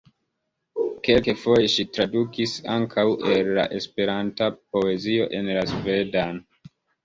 Kelkfoje ŝi tradukis ankaŭ el la Esperanta poezio en la svedan.